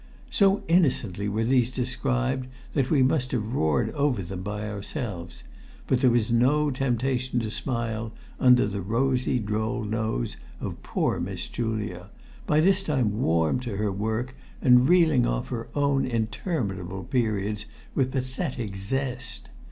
So innocently were these described that we must have roared over them by ourselves; but there was no temptation to smile under the rosy droll nose of poor Miss Julia, by this time warmed to her work, and reeling off her own interminable periods with pathetic zest.